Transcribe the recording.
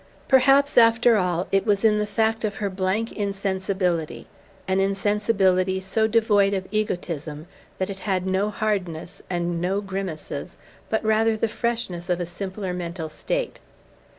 Perhaps, after all, it was in the fact of her blank insensibility, an insensibility so devoid of egotism that it had no hardness and no grimaces, but rather the freshness of a simpler mental state.